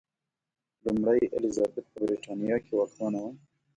لومړۍ الیزابت په برېټانیا کې واکمنه وه.